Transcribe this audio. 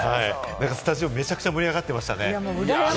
スタジオ、めちゃくちゃ盛り上がってましたね。